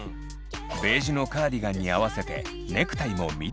ベージュのカーディガンに合わせてネクタイも緑に。